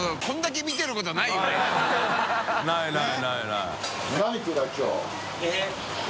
ないない。